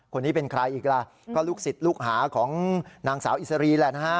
คนนี้เป็นใครอีกล่ะก็ลูกศิษย์ลูกหาของนางสาวอิสรีแหละนะฮะ